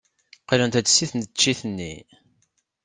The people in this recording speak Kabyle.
Qqlent-d seg tneččit-nni.